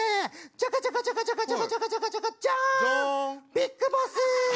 ビッグボス！